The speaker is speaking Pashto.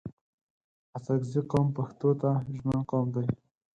اڅګزي قوم پښتو ته ژمن قوم دی